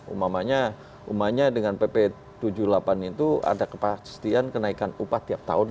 umumnya dengan pp tujuh puluh delapan itu ada kepastian kenaikan upah tiap tahun